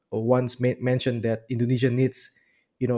pernah mengatakan bahwa indonesia membutuhkan